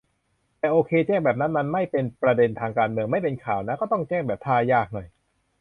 แต่โอเค แจ้งแบบนั้นมันไม่ "เป็นประเด็นทางการเมือง" ไม่เป็นข่าวน่ะ ก็ต้องแจ้งแบบท่ายากหน่อย